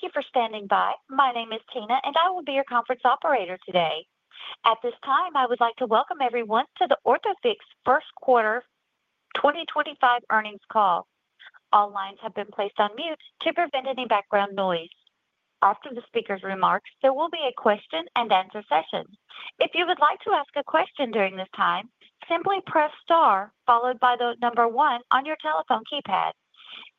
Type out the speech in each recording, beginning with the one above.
Thank you for standing by. My name is Tina, and I will be your conference operator today. At this time, I would like to welcome everyone to the Orthofix First Quarter 2025 Earnings Call. All lines have been placed on mute to prevent any background noise. After the speaker's remarks, there will be a question-and-answer session. If you would like to ask a question during this time, simply press star followed by the number one on your telephone keypad.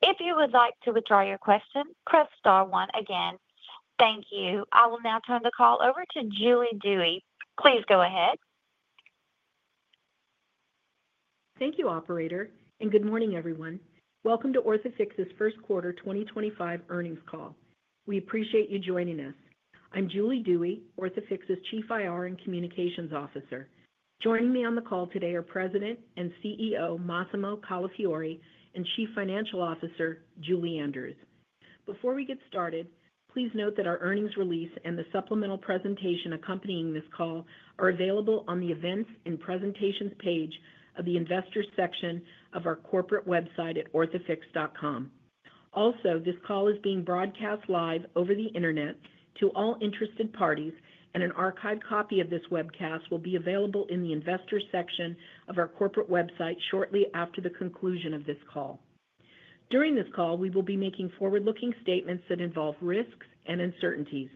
If you would like to withdraw your question, press star one again. Thank you. I will now turn the call over to Julie Dewey. Please go ahead. Thank you, Operator, and good morning, everyone. Welcome to Orthofix's First Quarter 2025 Earnings Call. We appreciate you joining us. I'm Julie Dewey, Orthofix's Chief IR and Communications Officer. Joining me on the call today are President and CEO Massimo Calafiore and Chief Financial Officer Julie Andrews. Before we get started, please note that our earnings release and the supplemental presentation accompanying this call are available on the Events and Presentations page of the Investor section of our corporate website at orthofix.com. Also, this call is being broadcast live over the internet to all interested parties, and an archived copy of this webcast will be available in the Investor section of our corporate website shortly after the conclusion of this call. During this call, we will be making forward-looking statements that involve risks and uncertainties.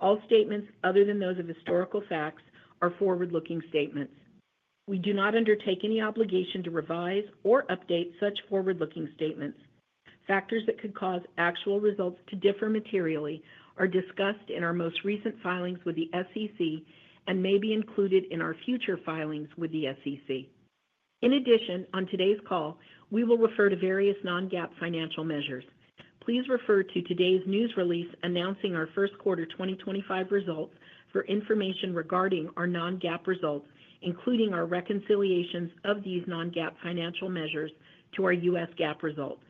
All statements other than those of historical facts are forward-looking statements. We do not undertake any obligation to revise or update such forward-looking statements. Factors that could cause actual results to differ materially are discussed in our most recent filings with the SEC and may be included in our future filings with the SEC. In addition, on today's call, we will refer to various non-GAAP financial measures. Please refer to today's news release announcing our First Quarter 2025 results for information regarding our non-GAAP results, including our reconciliations of these non-GAAP financial measures to our U.S. GAAP results.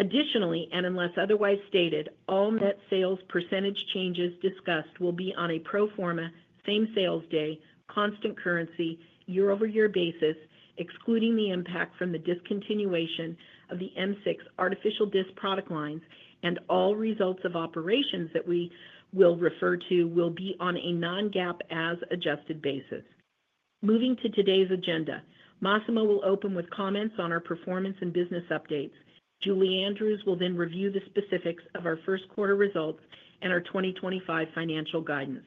Additionally, and unless otherwise stated, all net sales % changes discussed will be on a pro forma, same sales day, constant currency, year-over-year basis, excluding the impact from the discontinuation of the M6 artificial disc product lines, and all results of operations that we will refer to will be on a non-GAAP as-adjusted basis. Moving to today's agenda, Massimo will open with comments on our performance and business updates. Julie Andrews will then review the specifics of our first quarter results and our 2025 financial guidance.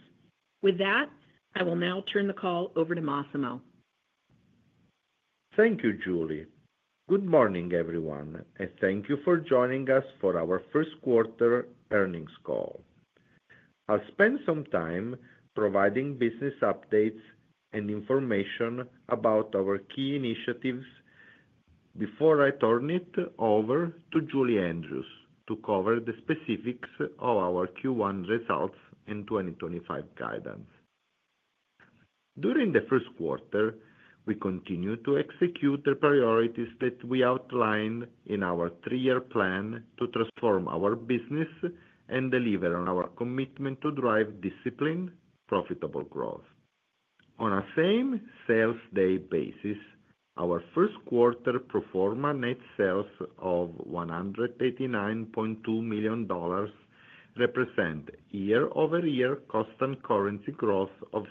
With that, I will now turn the call over to Massimo. Thank you, Julie. Good morning, everyone, and thank you for joining us for our First Quarter Earnings Call. I'll spend some time providing business updates and information about our key initiatives before I turn it over to Julie Andrews to cover the specifics of our Q1 results and 2025 guidance. During the First Quarter, we continue to execute the priorities that we outlined in our three-year plan to transform our business and deliver on our commitment to drive disciplined, profitable growth. On a same sales day basis, our First Quarter pro forma net sales of $189.2 million represent year-over-year constant currency growth of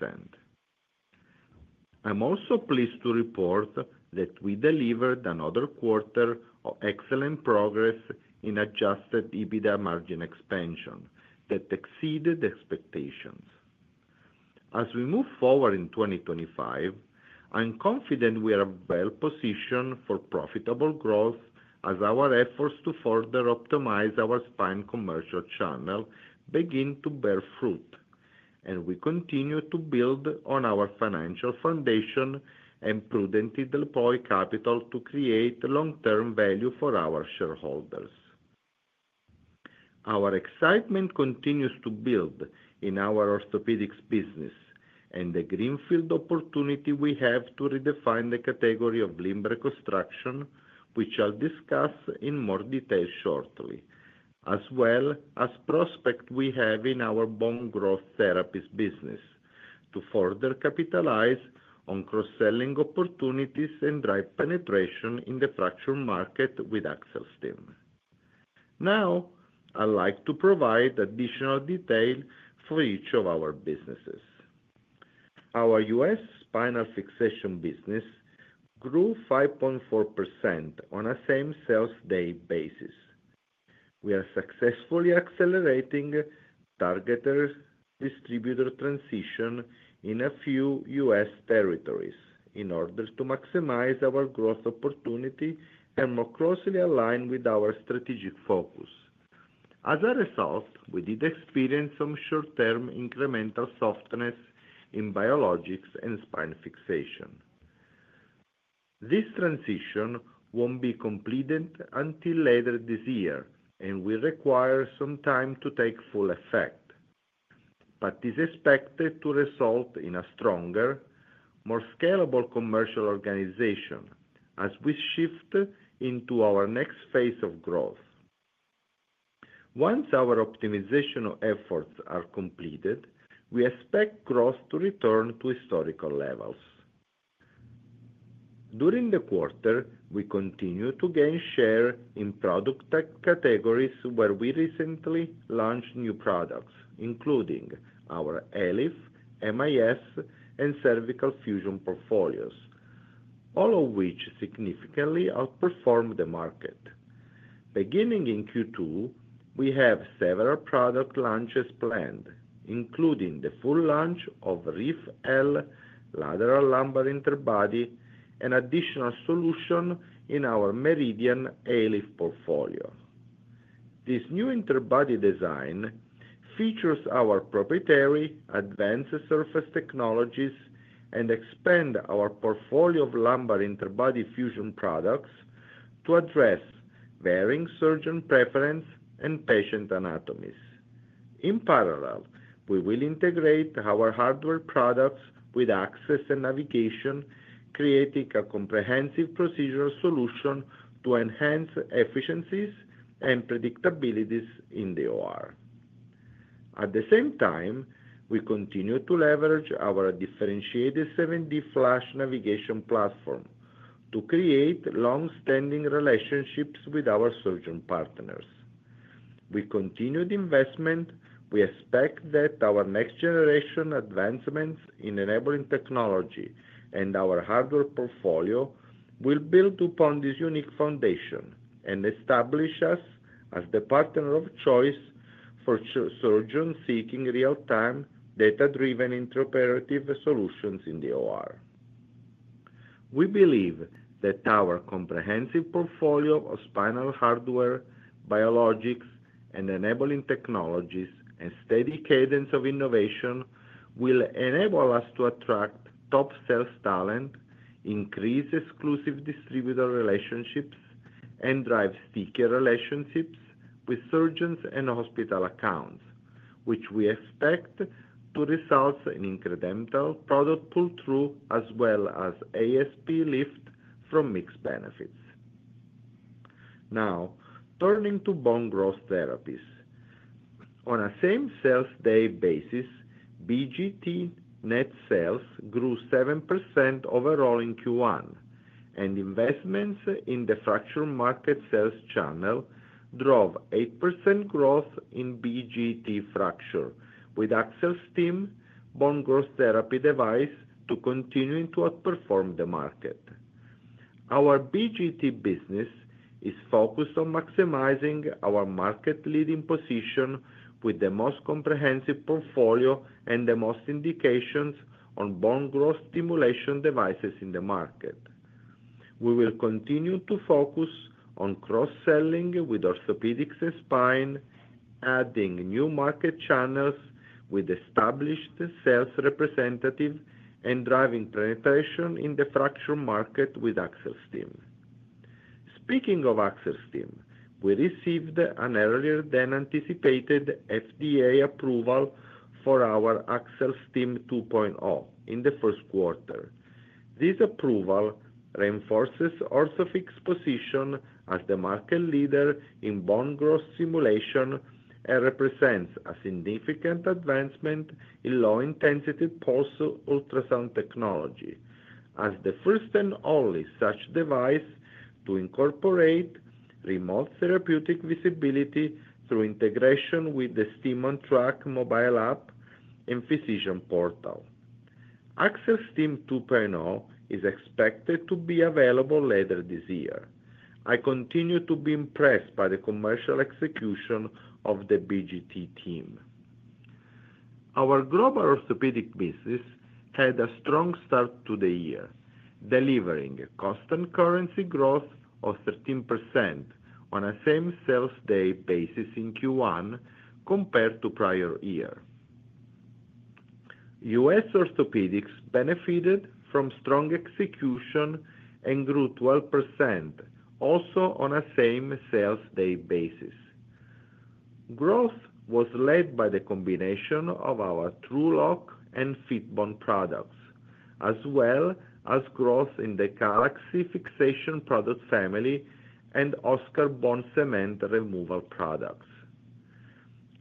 6%. I'm also pleased to report that we delivered another quarter of excellent progress in adjusted EBITDA margin expansion that exceeded expectations. As we move forward in 2025, I'm confident we are well positioned for profitable growth as our efforts to further optimize our spine commercial channel begin to bear fruit, and we continue to build on our financial foundation and prudently deploy capital to create long-term value for our shareholders. Our excitement continues to build in our orthopedics business and the greenfield opportunity we have to redefine the category of limb reconstruction, which I'll discuss in more detail shortly, as well as the prospect we have in our bone growth therapies business to further capitalize on cross-selling opportunities and drive penetration in the fracture market with AccelStim. Now, I'd like to provide additional detail for each of our businesses. Our U.S. spinal fixation business grew 5.4% on a same sales day basis. We are successfully accelerating targeted distributor transition in a few U.S. territories in order to maximize our growth opportunity and more closely align with our strategic focus. As a result, we did experience some short-term incremental softness in biologics and spine fixation. This transition will not be completed until later this year, and will require some time to take full effect, but is expected to result in a stronger, more scalable commercial organization as we shift into our next phase of growth. Once our optimization efforts are completed, we expect growth to return to historical levels. During the quarter, we continue to gain share in product categories where we recently launched new products, including our ALIF, MIS, and cervical fusion portfolios, all of which significantly outperform the market. Beginning in Q2, we have several product launches planned, including the full launch of Reef L lateral lumbar interbody and additional solutions in our Meridian ALIF portfolio. This new interbody design features our proprietary advanced surface technologies and expands our portfolio of lumbar interbody fusion products to address varying surgeon preferences and patient anatomies. In parallel, we will integrate our hardware products with access and navigation, creating a comprehensive procedural solution to enhance efficiencies and predictability in the OR. At the same time, we continue to leverage our differentiated 7D FLASH navigation platform to create long-standing relationships with our surgeon partners. With continued investment, we expect that our next-generation advancements in enabling technology and our hardware portfolio will build upon this unique foundation and establish us as the partner of choice for surgeon-seeking real-time data-driven interpretive solutions in the OR. We believe that our comprehensive portfolio of spinal hardware, biologics, and enabling technologies, and steady cadence of innovation, will enable us to attract top sales talent, increase exclusive distributor relationships, and drive stickier relationships with surgeons and hospital accounts, which we expect to result in incremental product pull-through as well as ASP lift from mix benefits. Now, turning to bone growth therapies. On a same sales day basis, BGT net sales grew 7% overall in Q1, and investments in the fracture market sales channel drove 8% growth in BGT fracture with AccelStim bone growth therapy device to continue to outperform the market. Our BGT business is focused on maximizing our market-leading position with the most comprehensive portfolio and the most indications on bone growth stimulation devices in the market. We will continue to focus on cross-selling with orthopedics and spine, adding new market channels with established sales representatives and driving penetration in the fracture market with AccelStim. Speaking of AccelStim, we received an earlier-than-anticipated FDA approval for our AccelStim 2.0 in the first quarter. This approval reinforces Orthofix's position as the market leader in bone growth stimulation and represents a significant advancement in low-intensity pulse ultrasound technology as the first and only such device to incorporate remote therapeutic visibility through integration with the STIM onTrack mobile app and physician portal. AccelStim 2.0 is expected to be available later this year. I continue to be impressed by the commercial execution of the BGT team. Our global orthopedic business had a strong start to the year, delivering a cost and currency growth of 13% on a same sales day basis in Q1 compared to prior year. U.S. Orthopedics benefited from strong execution and grew 12% also on a same sales day basis. Growth was led by the combination of our TrueLok and Fitbone products, as well as growth in the Galaxy Fixation product family and OSCAR bone cement removal products.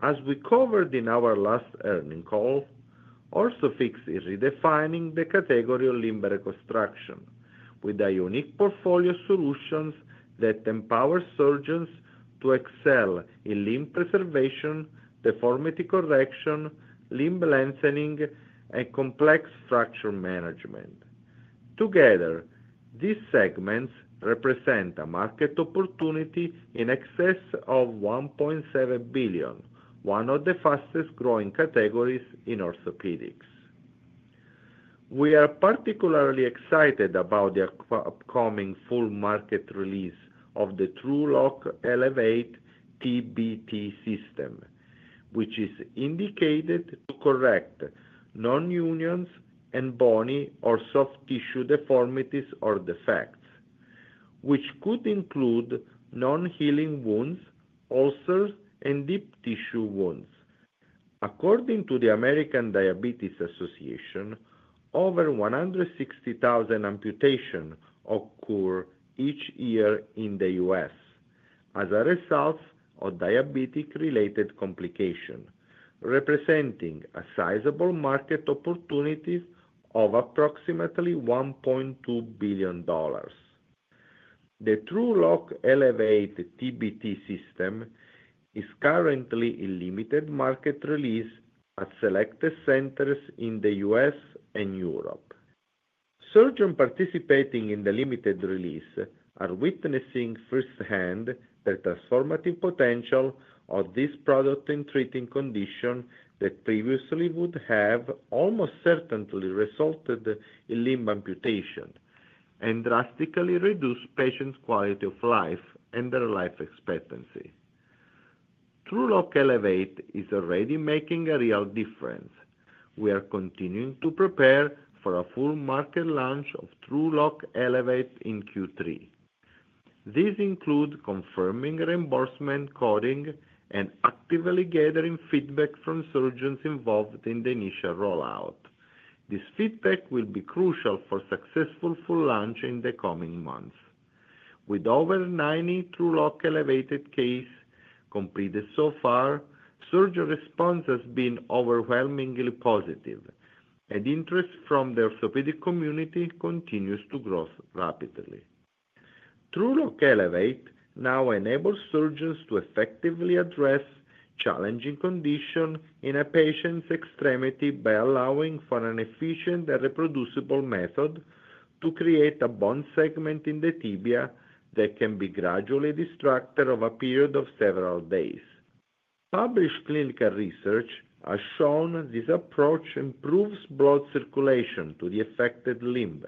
As we covered in our last earning call, Orthofix is redefining the category of limb reconstruction with a unique portfolio of solutions that empowers surgeons to excel in limb preservation, deformity correction, limb lengthening, and complex fracture management. Together, these segments represent a market opportunity in excess of $1.7 billion, one of the fastest-growing categories in orthopedics. We are particularly excited about the upcoming full market release of the TrueLok Elevate TBT system, which is indicated to correct non-unions and bony or soft tissue deformities or defects, which could include non-healing wounds, ulcers, and deep tissue wounds. According to the American Diabetes Association, over 160,000 amputations occur each year in the U.S. as a result of diabetic-related complications, representing a sizable market opportunity of approximately $1.2 billion. The TrueLok Elevate TBT system is currently in limited market release at selected centers in the U.S. and Europe. Surgeons participating in the limited release are witnessing firsthand the transformative potential of this product in treating conditions that previously would have almost certainly resulted in limb amputation and drastically reduced patients' quality of life and their life expectancy. TrueLok Elevate is already making a real difference. We are continuing to prepare for a full market launch of TrueLok Elevate in Q3. This includes confirming reimbursement coding and actively gathering feedback from surgeons involved in the initial rollout. This feedback will be crucial for a successful full launch in the coming months. With over 90 TrueLok Elevate cases completed so far, surgeon response has been overwhelmingly positive, and interest from the orthopedic community continues to grow rapidly. TrueLok Elevate now enables surgeons to effectively address challenging conditions in a patient's extremity by allowing for an efficient and reproducible method to create a bone segment in the tibia that can be gradually distracted over a period of several days. Published clinical research has shown this approach improves blood circulation to the affected limb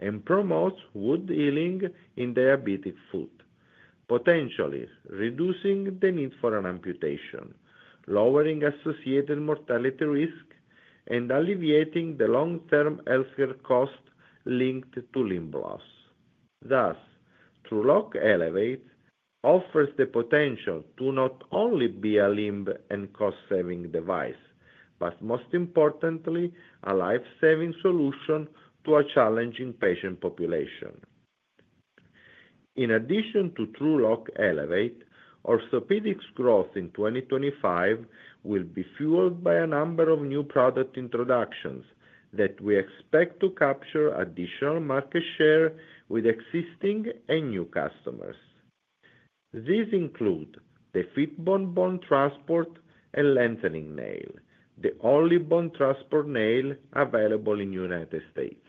and promotes wound healing in diabetic foot, potentially reducing the need for an amputation, lowering associated mortality risk, and alleviating the long-term healthcare costs linked to limb loss. Thus, TrueLok Elevate offers the potential to not only be a limb and cost-saving device, but most importantly, a life-saving solution to a challenging patient population. In addition to TrueLok Elevate, orthopedics' growth in 2025 will be fueled by a number of new product introductions that we expect to capture additional market share with existing and new customers. These include the Fitbone Bone Transport and Lengthening Nail, the only bone transport nail available in the United States,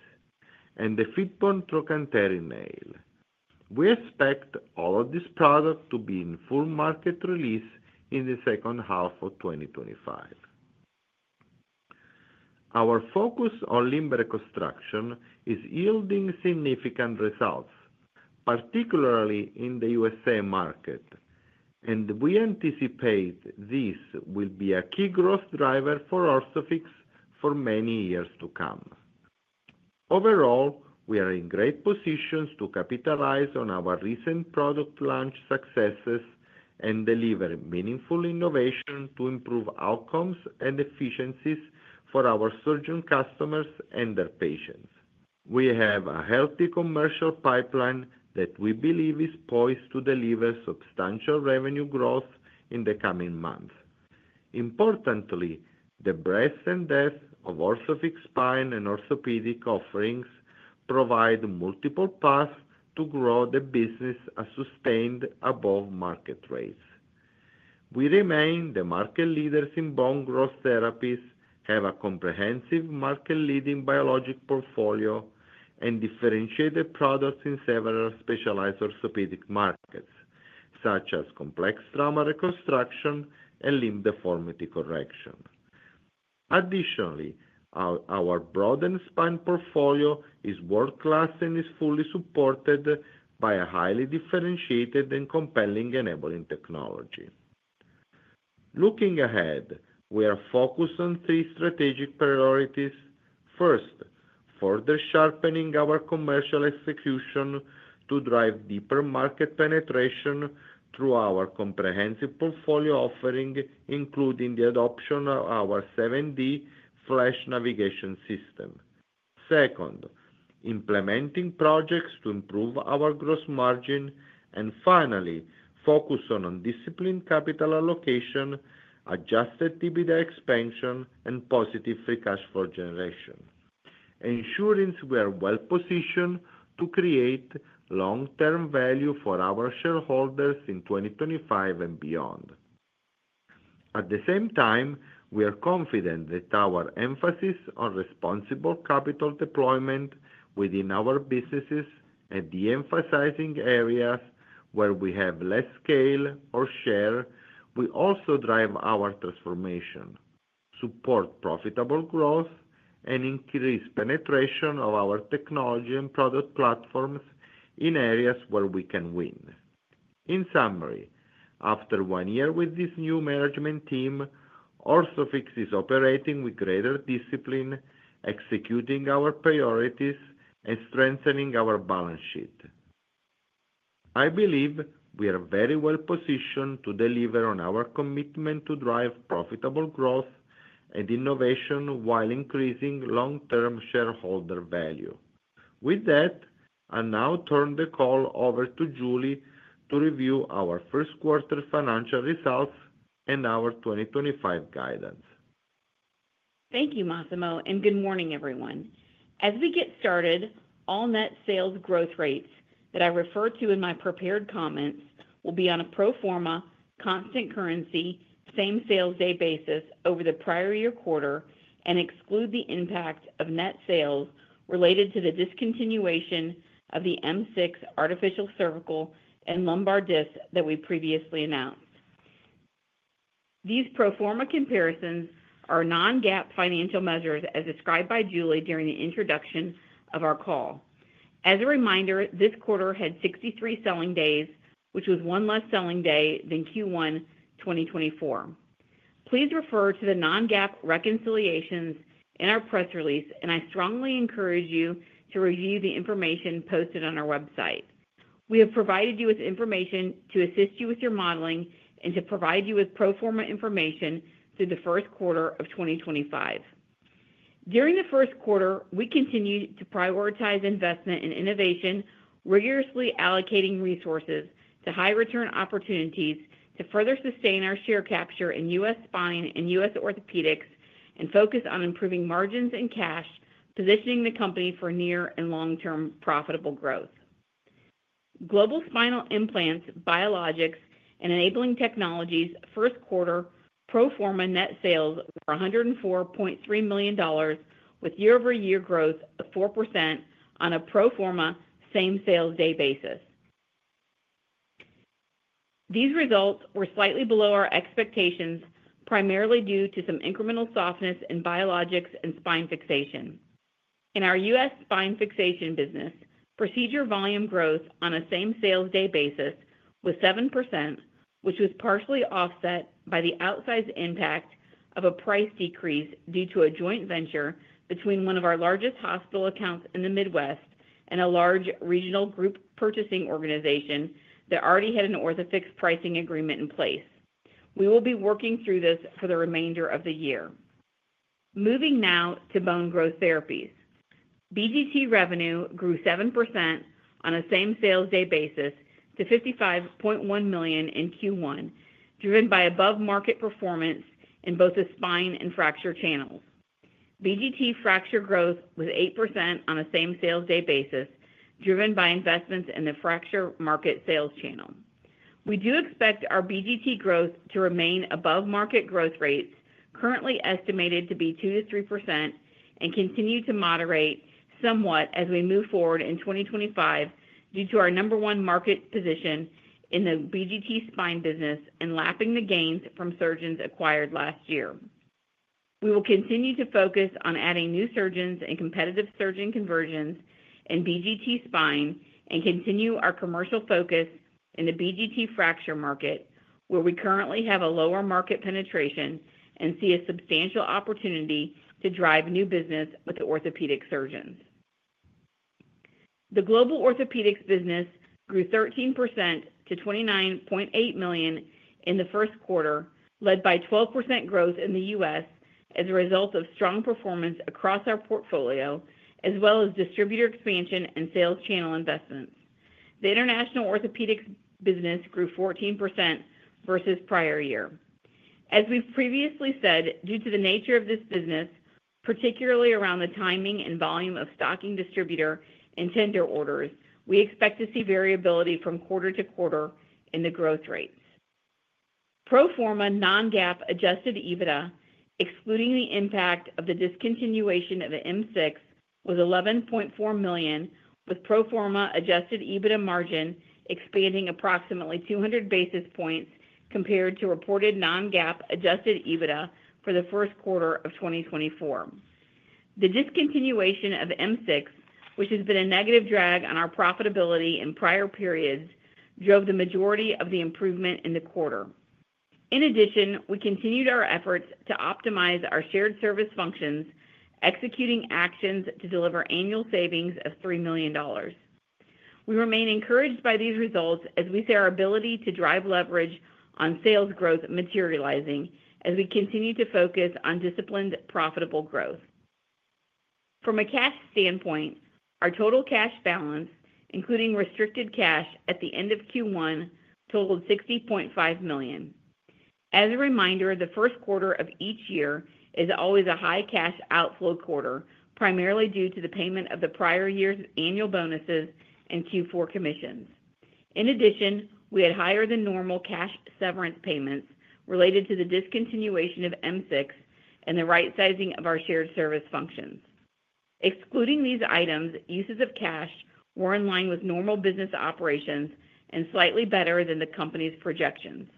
and the Fitbone Trochanteric Nail. We expect all of these products to be in full market release in the second half of 2025. Our focus on limb reconstruction is yielding significant results, particularly in the U.S. market, and we anticipate this will be a key growth driver for Orthofix for many years to come. Overall, we are in great positions to capitalize on our recent product launch successes and deliver meaningful innovation to improve outcomes and efficiencies for our surgeon customers and their patients. We have a healthy commercial pipeline that we believe is poised to deliver substantial revenue growth in the coming months. Importantly, the breadth and depth of Orthofix Spine and Orthopedic offerings provide multiple paths to grow the business at sustained above market rates. We remain the market leaders in bone growth therapies and have a comprehensive market-leading biologics portfolio and differentiated products in several specialized orthopedic markets, such as complex trauma reconstruction and limb deformity correction. Additionally, our broadened spine portfolio is world-class and is fully supported by a highly differentiated and compelling enabling technology. Looking ahead, we are focused on three strategic priorities. First, further sharpening our commercial execution to drive deeper market penetration through our comprehensive portfolio offering, including the adoption of our 7D FLASH Navigation System. Second, implementing projects to improve our gross margin. Finally, focus on disciplined capital allocation, adjusted EBITDA expansion, and positive free cash flow generation. Ensuring we are well-positioned to create long-term value for our shareholders in 2025 and beyond. At the same time, we are confident that our emphasis on responsible capital deployment within our businesses and de-emphasizing areas where we have less scale or share will also drive our transformation, support profitable growth, and increase penetration of our technology and product platforms in areas where we can win. In summary, after one year with this new management team, Orthofix is operating with greater discipline, executing our priorities, and strengthening our balance sheet. I believe we are very well-positioned to deliver on our commitment to drive profitable growth and innovation while increasing long-term shareholder value. With that, I now turn the call over to Julie to review our first quarter financial results and our 2025 guidance. Thank you, Massimo, and good morning, everyone. As we get started, all net sales growth rates that I refer to in my prepared comments will be on a pro forma, constant currency, same sales day basis over the prior year quarter and exclude the impact of net sales related to the discontinuation of the M6 artificial cervical and lumbar discs that we previously announced. These pro forma comparisons are non-GAAP financial measures as described by Julie during the introduction of our call. As a reminder, this quarter had 63 selling days, which was one less selling day than Q1 2024. Please refer to the non-GAAP reconciliations in our press release, and I strongly encourage you to review the information posted on our website. We have provided you with information to assist you with your modeling and to provide you with pro forma information through the first quarter of 2025. During the first quarter, we continue to prioritize investment and innovation, rigorously allocating resources to high-return opportunities to further sustain our share capture in U.S. spine and U.S. orthopedics and focus on improving margins and cash, positioning the company for near and long-term profitable growth. Global spinal implants, biologics, and enabling technologies first quarter pro forma net sales were $104.3 million with year-over-year growth of 4% on a pro forma same sales day basis. These results were slightly below our expectations, primarily due to some incremental softness in biologics and spine fixation. In our U.S. Spine fixation business, procedure volume growth on a same sales day basis was 7%, which was partially offset by the outsized impact of a price decrease due to a joint venture between one of our largest hospital accounts in the Midwest and a large regional group purchasing organization that already had an Orthofix pricing agreement in place. We will be working through this for the remainder of the year. Moving now to bone growth therapies. BGT revenue grew 7% on a same sales day basis to $55.1 million in Q1, driven by above-market performance in both the spine and fracture channels. BGT fracture growth was 8% on a same sales day basis, driven by investments in the fracture market sales channel. We do expect our BGT growth to remain above market growth rates, currently estimated to be 2%-3%, and continue to moderate somewhat as we move forward in 2025 due to our number one market position in the BGT spine business and lapping the gains from surgeons acquired last year. We will continue to focus on adding new surgeons and competitive surgeon conversions in BGT spine and continue our commercial focus in the BGT fracture market, where we currently have a lower market penetration and see a substantial opportunity to drive new business with orthopedic surgeons. The global orthopedics business grew 13% to $29.8 million in the first quarter, led by 12% growth in the U.S. as a result of strong performance across our portfolio, as well as distributor expansion and sales channel investments. The international orthopedics business grew 14% versus prior year. As we've previously said, due to the nature of this business, particularly around the timing and volume of stocking distributor and tender orders, we expect to see variability from quarter to quarter in the growth rates. Pro forma non-GAAP adjusted EBITDA, excluding the impact of the discontinuation of the M6, was $11.4 million, with pro forma adjusted EBITDA margin expanding approximately 200 basis points compared to reported non-GAAP adjusted EBITDA for the first quarter of 2024. The discontinuation of M6, which has been a negative drag on our profitability in prior periods, drove the majority of the improvement in the quarter. In addition, we continued our efforts to optimize our shared service functions, executing actions to deliver annual savings of $3 million. We remain encouraged by these results as we see our ability to drive leverage on sales growth materializing as we continue to focus on disciplined profitable growth. From a cash standpoint, our total cash balance, including restricted cash at the end of Q1, totaled $60.5 million. As a reminder, the first quarter of each year is always a high cash outflow quarter, primarily due to the payment of the prior year's annual bonuses and Q4 commissions. In addition, we had higher-than-normal cash severance payments related to the discontinuation of M6 and the right-sizing of our shared service functions. Excluding these items, uses of cash were in line with normal business operations and slightly better than the company's projections.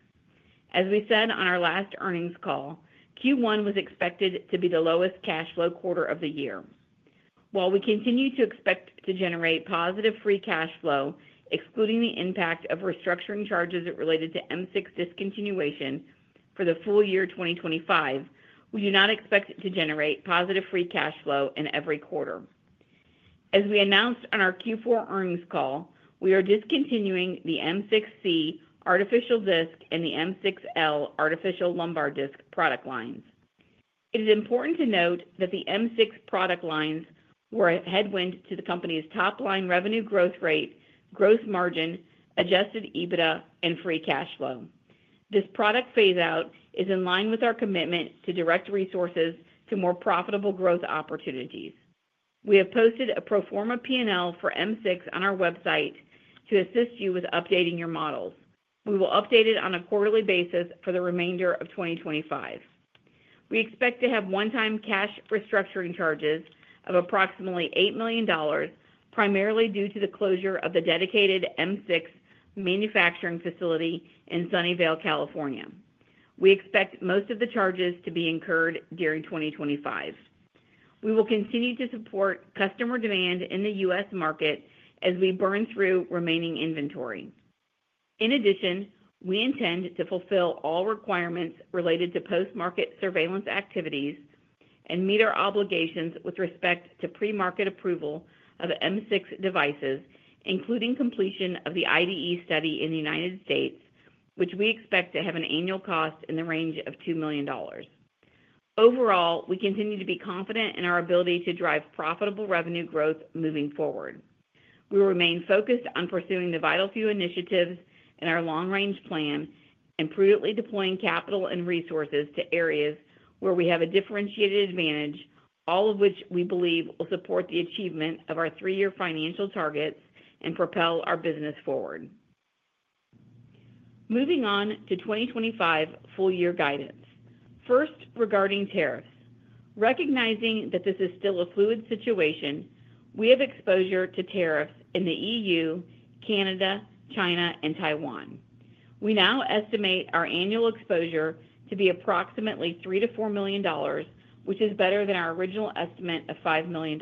As we said on our last earnings call, Q1 was expected to be the lowest cash flow quarter of the year. While we continue to expect to generate positive free cash flow, excluding the impact of restructuring charges related to M6 discontinuation for the full year 2025, we do not expect to generate positive free cash flow in every quarter. As we announced on our Q4 earnings call, we are discontinuing the M6C artificial disc and the M6L artificial lumbar disc product lines. It is important to note that the M6 product lines were a headwind to the company's top-line revenue growth rate, gross margin, adjusted EBITDA, and free cash flow. This product phase-out is in line with our commitment to direct resources to more profitable growth opportunities. We have posted a pro forma P&L for M6 on our website to assist you with updating your models. We will update it on a quarterly basis for the remainder of 2025. We expect to have one-time cash restructuring charges of approximately $8 million, primarily due to the closure of the dedicated M6 manufacturing facility in Sunnyvale, California. We expect most of the charges to be incurred during 2025. We will continue to support customer demand in the U.S. market as we burn through remaining inventory. In addition, we intend to fulfill all requirements related to post-market surveillance activities and meet our obligations with respect to pre-market approval of M6 devices, including completion of the IDE study in the United States, which we expect to have an annual cost in the range of $2 million. Overall, we continue to be confident in our ability to drive profitable revenue growth moving forward. We will remain focused on pursuing the Vital Few initiatives and our long-range plan and prudently deploying capital and resources to areas where we have a differentiated advantage, all of which we believe will support the achievement of our three-year financial targets and propel our business forward. Moving on to 2025 full-year guidance. First, regarding tariffs. Recognizing that this is still a fluid situation, we have exposure to tariffs in the EU, Canada, China, and Taiwan. We now estimate our annual exposure to be approximately $3 million-$4 million, which is better than our original estimate of $5 million.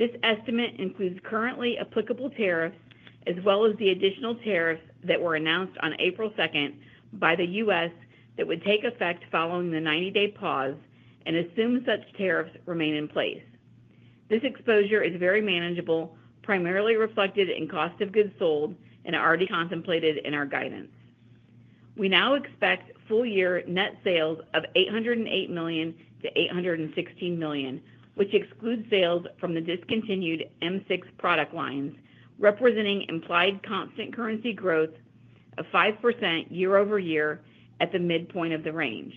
This estimate includes currently applicable tariffs as well as the additional tariffs that were announced on April 2nd by the U.S. that would take effect following the 90-day pause and assume such tariffs remain in place. This exposure is very manageable, primarily reflected in cost of goods sold and already contemplated in our guidance. We now expect full-year net sales of $808 million-$816 million, which excludes sales from the discontinued M6 product lines, representing implied constant currency growth of 5% year-over-year at the midpoint of the range.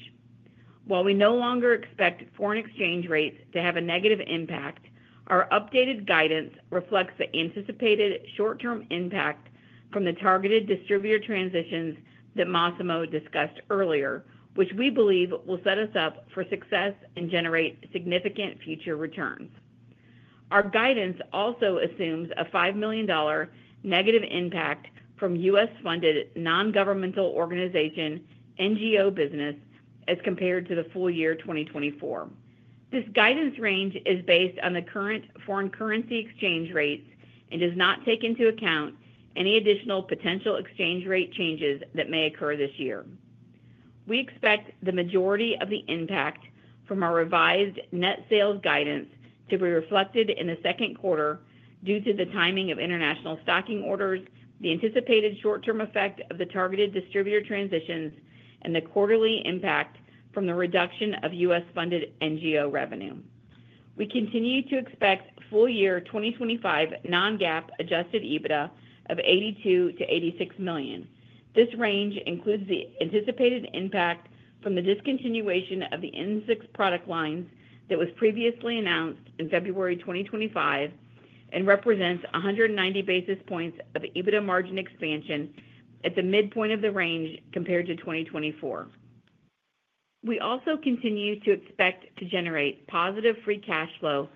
While we no longer expect foreign exchange rates to have a negative impact, our updated guidance reflects the anticipated short-term impact from the targeted distributor transitions that Massimo discussed earlier, which we believe will set us up for success and generate significant future returns. Our guidance also assumes a $5 million negative impact from U.S.-funded non-governmental organization NGO business as compared to the full year 2024. This guidance range is based on the current foreign currency exchange rates and does not take into account any additional potential exchange rate changes that may occur this year. We expect the majority of the impact from our revised net sales guidance to be reflected in the second quarter due to the timing of international stocking orders, the anticipated short-term effect of the targeted distributor transitions, and the quarterly impact from the reduction of U.S.-funded NGO revenue. We continue to expect full-year 2025 non-GAAP adjusted EBITDA of $82 million-$86 million. This range includes the anticipated impact from the discontinuation of the M6 product lines that was previously announced in February 2025 and represents 190 basis points of EBITDA margin expansion at the midpoint of the range compared to 2024. We also continue to expect to generate positive free cash flow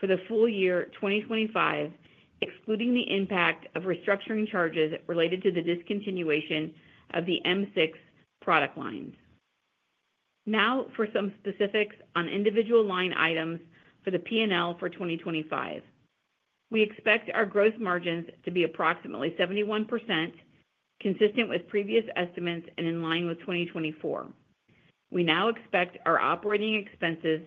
for the full year 2025, excluding the impact of restructuring charges related to the discontinuation of the M6 product lines. Now for some specifics on individual line items for the P&L for 2025. We expect our gross margins to be approximately 71%, consistent with previous estimates and in line with 2024. We now expect our operating expenses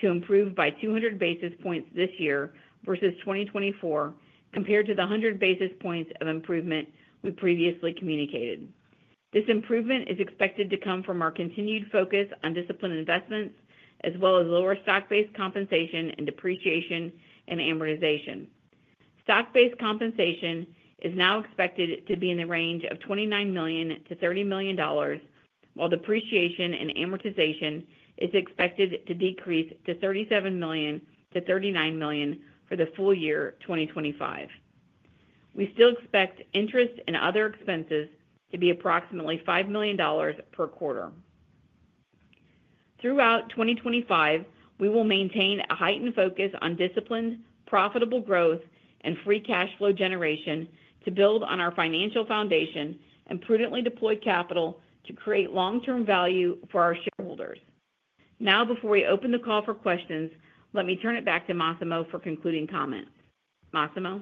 to improve by 200 basis points this year versus 2024, compared to the 100 basis points of improvement we previously communicated. This improvement is expected to come from our continued focus on disciplined investments, as well as lower stock-based compensation and depreciation and amortization. Stock-based compensation is now expected to be in the range of $29 million-$30 million, while depreciation and amortization is expected to decrease to $37 million-$39 million for the full year 2025. We still expect interest and other expenses to be approximately $5 million per quarter. Throughout 2025, we will maintain a heightened focus on disciplined, profitable growth, and free cash flow generation to build on our financial foundation and prudently deploy capital to create long-term value for our shareholders. Now, before we open the call for questions, let me turn it back to Massimo for concluding comments. Massimo?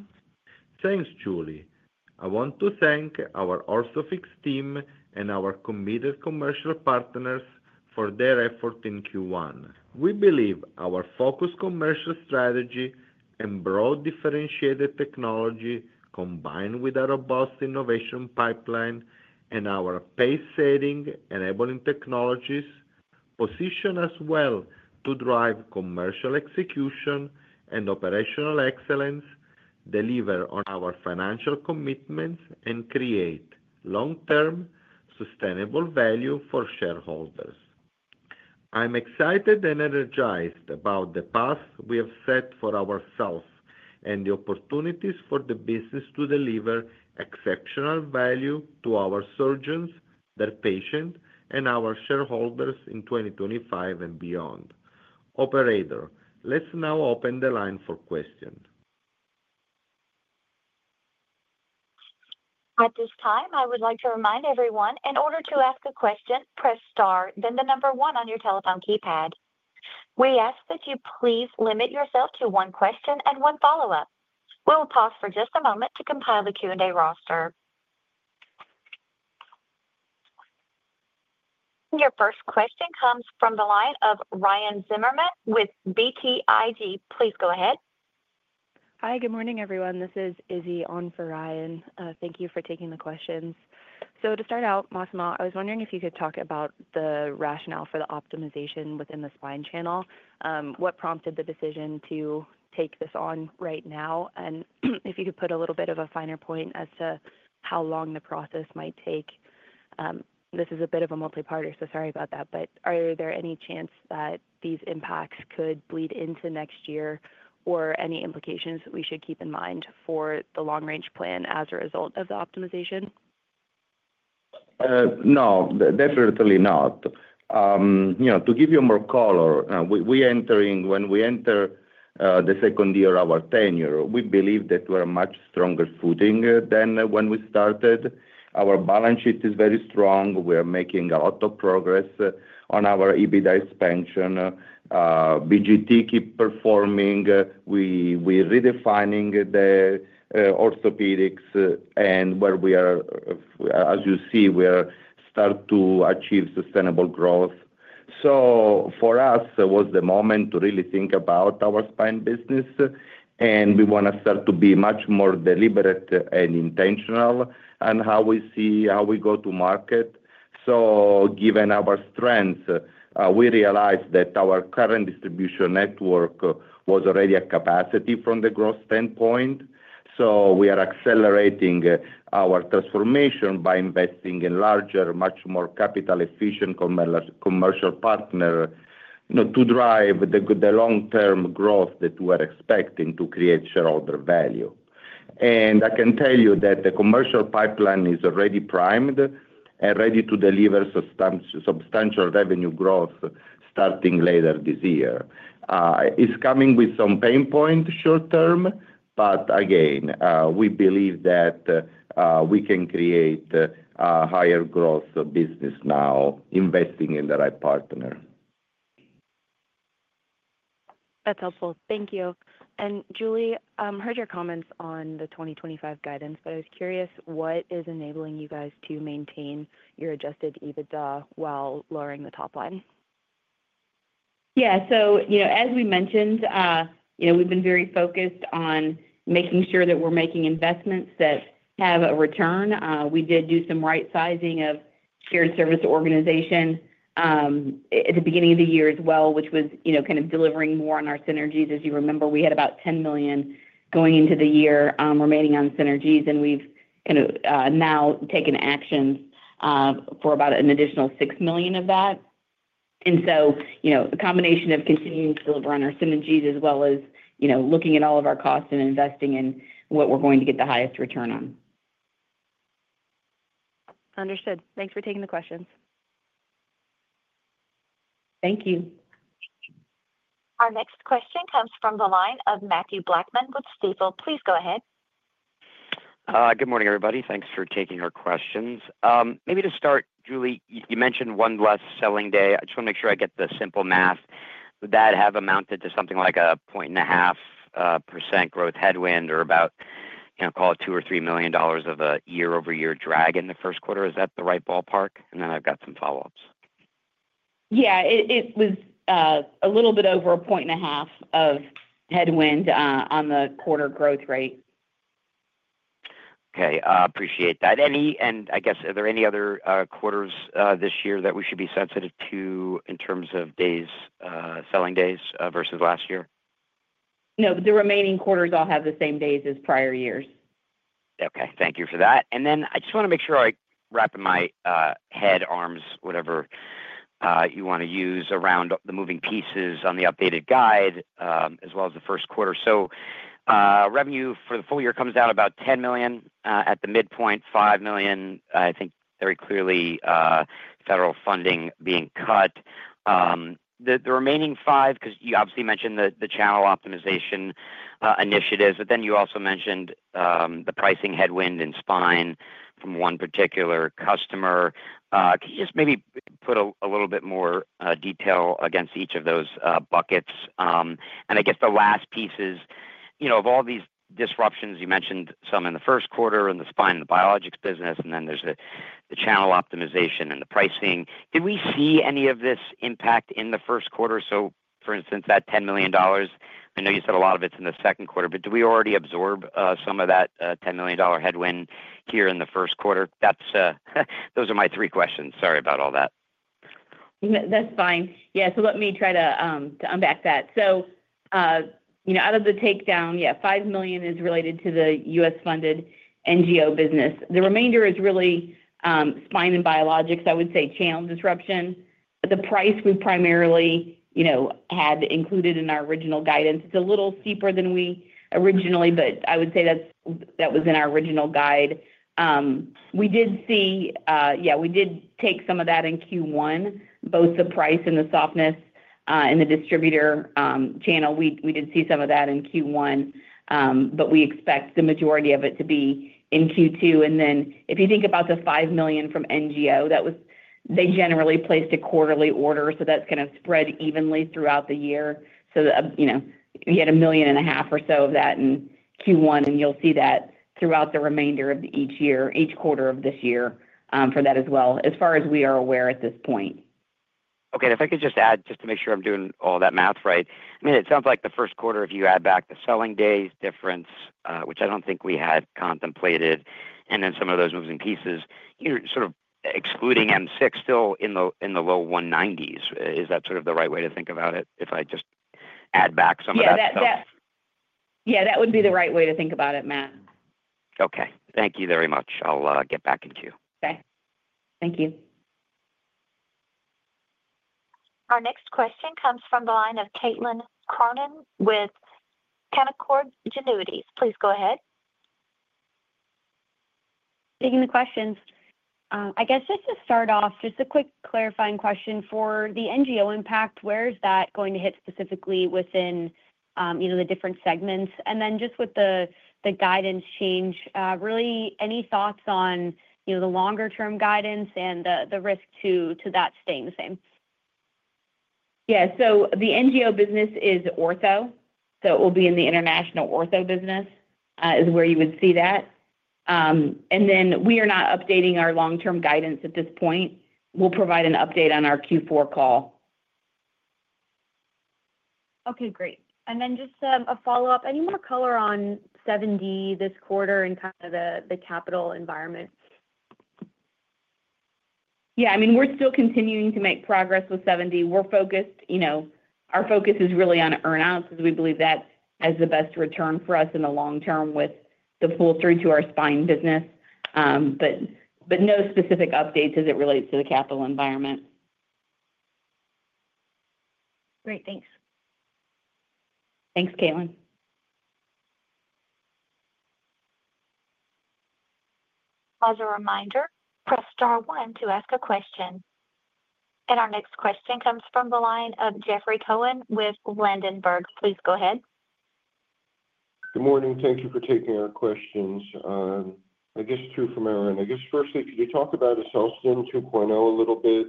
Thanks, Julie. I want to thank our Orthofix team and our committed commercial partners for their effort in Q1. We believe our focused commercial strategy and broad differentiated technology, combined with our robust innovation pipeline and our pace-setting enabling technologies, position us well to drive commercial execution and operational excellence, deliver on our financial commitments, and create long-term sustainable value for shareholders. I'm excited and energized about the path we have set for ourselves and the opportunities for the business to deliver exceptional value to our surgeons, their patients, and our shareholders in 2025 and beyond. Operator, let's now open the line for questions. At this time, I would like to remind everyone, in order to ask a question, press star, then the number one on your telephone keypad. We ask that you please limit yourself to one question and one follow-up. We will pause for just a moment to compile the Q&A roster. Your first question comes from the line of Ryan Zimmerman with BTIG. Please go ahead. Hi, good morning, everyone. This is Izzy on for Ryan. Thank you for taking the questions. To start out, Massimo, I was wondering if you could talk about the rationale for the optimization within the spine channel. What prompted the decision to take this on right now? If you could put a little bit of a finer point as to how long the process might take. This is a bit of a multi-party, so sorry about that. Are there any chance that these impacts could bleed into next year or any implications we should keep in mind for the long-range plan as a result of the optimization? No, definitely not. To give you more color, when we enter the second year of our tenure, we believe that we're on much stronger footing than when we started. Our balance sheet is very strong. We are making a lot of progress on our EBITDA expansion. BGT keep performing. We're redefining the orthopedics, and where we are, as you see, we start to achieve sustainable growth. For us, it was the moment to really think about our spine business, and we want to start to be much more deliberate and intentional on how we see how we go to market. Given our strengths, we realized that our current distribution network was already at capacity from the growth standpoint. We are accelerating our transformation by investing in larger, much more capital-efficient commercial partners to drive the long-term growth that we are expecting to create shareholder value. I can tell you that the commercial pipeline is already primed and ready to deliver substantial revenue growth starting later this year. It is coming with some pain points short term, but again, we believe that we can create a higher growth business now investing in the right partner. That is helpful. Thank you. Julie, I heard your comments on the 2025 guidance, but I was curious, what is enabling you guys to maintain your adjusted EBITDA while lowering the top line? Yeah. As we mentioned, we have been very focused on making sure that we are making investments that have a return. We did do some right-sizing of shared service organization at the beginning of the year as well, which was kind of delivering more on our synergies. As you remember, we had about $10 million going into the year remaining on synergies, and we've kind of now taken action for about an additional $6 million of that. The combination of continuing to deliver on our synergies as well as looking at all of our costs and investing in what we're going to get the highest return on. Understood. Thanks for taking the questions. Thank you. Our next question comes from the line of Mathew Blackman with Stifel. Please go ahead. Good morning, everybody. Thanks for taking our questions. Maybe to start, Julie, you mentioned one less selling day. I just want to make sure I get the simple math. Would that have amounted to something like a 0.5% growth headwind or about, call it, $2 or $3 million of a year-over-year drag in the first quarter? Is that the right ballpark? Yeah. It was a little bit over a 0.5% headwind on the quarter growth rate. Okay. I appreciate that. I guess, are there any other quarters this year that we should be sensitive to in terms of selling days versus last year? No, the remaining quarters all have the same days as prior years. Okay. Thank you for that. I just want to make sure I wrap my head, arms, whatever you want to use, around the moving pieces on the updated guide as well as the first quarter. Revenue for the full year comes down about $10 million at the midpoint, $5 million, I think very clearly federal funding being cut. The remaining five, because you obviously mentioned the channel optimization initiatives, but then you also mentioned the pricing headwind in spine from one particular customer. Can you just maybe put a little bit more detail against each of those buckets? I guess the last piece is, of all these disruptions, you mentioned some in the first quarter in the spine and the biologics business, and then there is the channel optimization and the pricing. Did we see any of this impact in the first quarter? For instance, that $10 million, I know you said a lot of it is in the second quarter, but did we already absorb some of that $10 million headwind here in the first quarter? Those are my three questions. Sorry about all that. That's fine. Yeah. Let me try to unpack that. Out of the takedown, yeah, $5 million is related to the U.S.-funded NGO business. The remainder is really spine and biologics, I would say, channel disruption. The price we primarily had included in our original guidance. It's a little steeper than we originally, but I would say that was in our original guide. We did see, yeah, we did take some of that in Q1, both the price and the softness in the distributor channel. We did see some of that in Q1, but we expect the majority of it to be in Q2. If you think about the $5 million from NGO, they generally placed a quarterly order, so that's kind of spread evenly throughout the year. You had $1.5 million or so of that in Q1, and you'll see that throughout the remainder of each quarter of this year for that as well, as far as we are aware at this point. Okay. If I could just add, just to make sure I'm doing all that math right, I mean, it sounds like the first quarter, if you add back the selling days difference, which I don't think we had contemplated, and then some of those moving pieces, sort of excluding M6, still in the low 190s. Is that sort of the right way to think about it? If I just add back some of that for you. Yeah. That would be the right way to think about it, Matt. Okay. Thank you very much. I'll get back in queue. Okay. Thank you. Our next question comes from the line of Caitlin Cronin with Canaccord Genuity. Please go ahead. Thanks for taking the questions. I guess just to start off, just a quick clarifying question. For the M6 impact, where is that going to hit specifically within the different segments? And then just with the guidance change, really, any thoughts on the longer-term guidance and the risk to that staying the same? Yeah. So the M6 business is Ortho. So it will be in the international Ortho business is where you would see that. And then we are not updating our long-term guidance at this point. We'll provide an update on our Q4 call. Okay. Great. And then just a follow-up. Any more color on 7D this quarter and kind of the capital environment? Yeah. I mean, we're still continuing to make progress with 7D. We're focused. Our focus is really on earnouts because we believe that has the best return for us in the long term with the pull-through to our spine business, but no specific updates as it relates to the capital environment. Great. Thanks. Thanks, Caitlin. As a reminder, press star one to ask a question. Our next question comes from the line of Jeffrey Cohen with Ladenburg. Please go ahead. Good morning. Thank you for taking our questions. I guess two from our end. I guess firstly, could you talk about AccelStim 2.0 a little bit?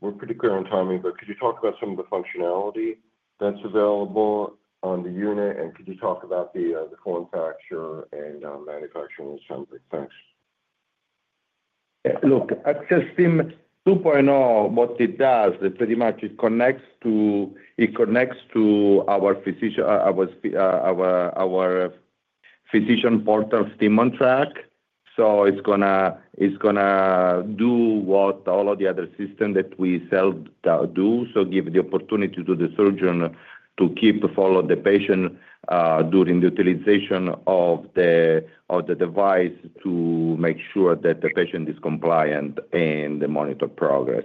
We're pretty clear on timing, but could you talk about some of the functionality that's available on the unit? Could you talk about the form factor and manufacturing and so on? Thanks. Look, AccelStim 2.0, what it does, pretty much it connects to our physician portal's STIM onTrack. It's going to do what all of the other systems that we sell do, so give the opportunity to the surgeon to keep follow the patient during the utilization of the device to make sure that the patient is compliant and monitor progress.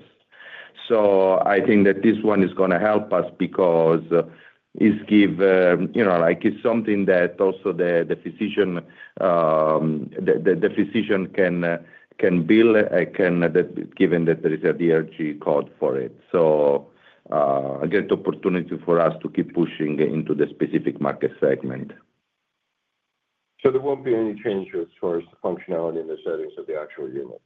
I think that this one is going to help us because it's something that also the physician can bill, given that there is a DRG code for it. I get the opportunity for us to keep pushing into the specific market segment. There won't be any changes as far as the functionality in the settings of the actual unit?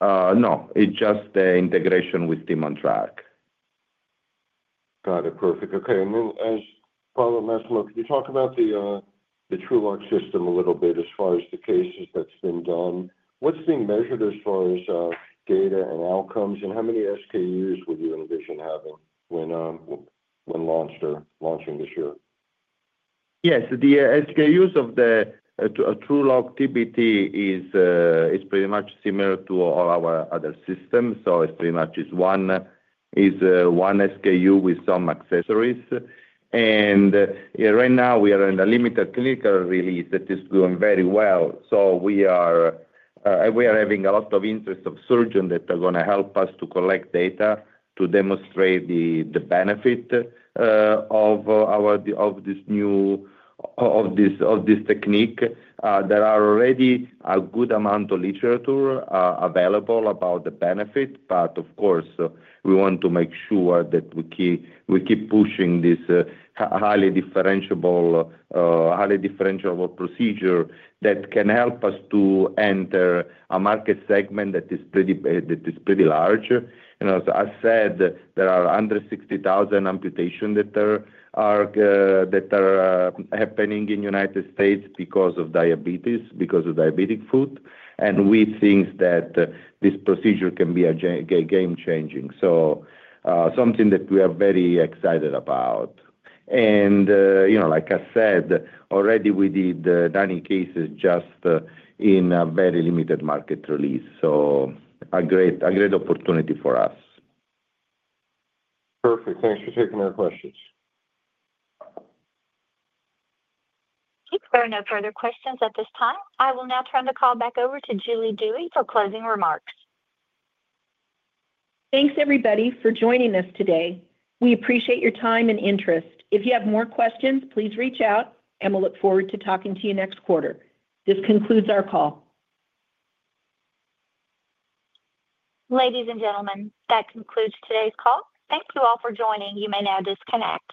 No. It's just the integration with STIM onTrack. Got it. Perfect. Okay. And then as follow-up, Massimo, could you talk about the TrueLok system a little bit as far as the cases that's been done? What's being measured as far as data and outcomes? How many SKUs would you envision having when launching this year? Yes. The SKUs of the TrueLok TBT is pretty much similar to all our other systems. It's pretty much one SKU with some accessories. Right now, we are in a limited clinical release that is going very well. We are having a lot of interest of surgeons that are going to help us to collect data to demonstrate the benefit of this new technique. There are already a good amount of literature available about the benefit, but of course, we want to make sure that we keep pushing this highly differentiable procedure that can help us to enter a market segment that is pretty large. As I said, there are under 60,000 amputations that are happening in the U.S. because of diabetes, because of diabetic foot. We think that this procedure can be game-changing. Something that we are very excited about. Like I said, already we did 90 cases just in a very limited market release. A great opportunity for us. Perfect. Thanks for taking our questions. There are no further questions at this time. I will now turn the call back over to Julie Dewey for closing remarks. Thanks, everybody, for joining us today. We appreciate your time and interest. If you have more questions, please reach out, and we look forward to talking to you next quarter. This concludes our call. Ladies and gentlemen, that concludes today's call. Thank you all for joining. You may now disconnect.